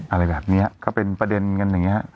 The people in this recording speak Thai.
อะไรแบบนี้ก็เป็นประเด็นกันอย่างนี้